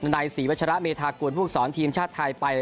ในศรีวัชระเมธากุลผู้สอนทีมชาติไทยไป